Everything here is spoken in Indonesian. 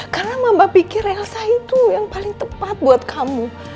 karena mama pikir elsa itu yang paling tepat buat kamu